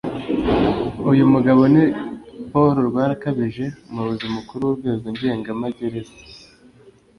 uyu mugabo ni Paul Rwarakabije umuyobozi mukuru w’urwego ngenga magereza